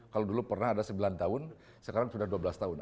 kalau dulu pernah ada sembilan tahun sekarang sudah dua belas tahun